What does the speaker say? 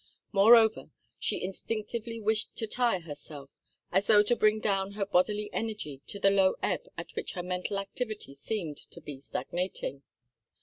Moreover, she instinctively wished to tire herself, as though to bring down her bodily energy to the low ebb at which her mental activity seemed to be stagnating.